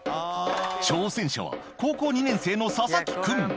挑戦者は、高校２年生の佐々木君。